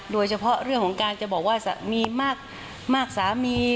โดยเฉพาะเรื่องของการจะบอกว่าสามีมากสามี